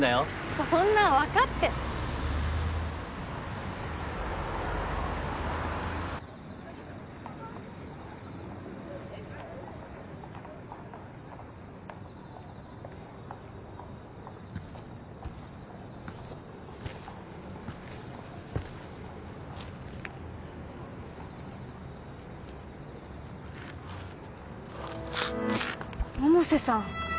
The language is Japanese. そんな分かって百瀬さん